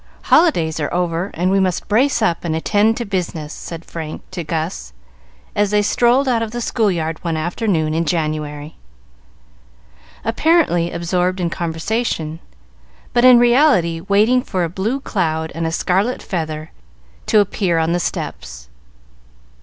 Holidays are over, and we must brace up and attend to business," said Frank to Gus, as they strolled out of the schoolyard one afternoon in January, apparently absorbed in conversation, but in reality waiting for a blue cloud and a scarlet feather to appear on the steps.